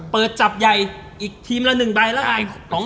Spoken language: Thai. เปิดจับใหญ่อีก๑ทีมละ๑ใบกัน